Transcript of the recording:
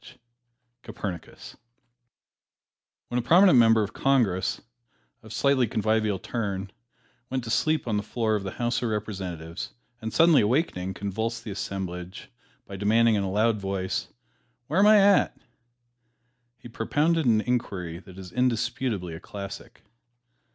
Copernicus COPERNICUS When a prominent member of Congress, of slightly convivial turn, went to sleep on the floor of the House of Representatives and suddenly awakening, convulsed the assemblage by demanding in a loud voice, "Where am I at?" he propounded an inquiry that is indisputably a classic.